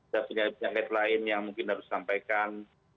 dari penyakit lain yang mungkin harus disampaikan